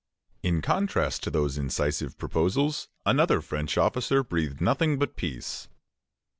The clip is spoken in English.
In contrast to those incisive proposals, another French officer breathed nothing but peace.